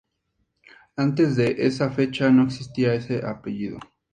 Antes de esa fecha no existía ese apellido.